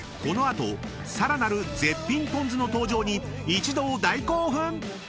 ［この後さらなる絶品ぽん酢の登場に一同大興奮！］